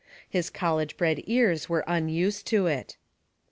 His college bred ears were unused to it.